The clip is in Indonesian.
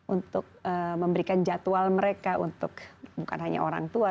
untuk memberikan jadwal mereka untuk bukan hanya orang tua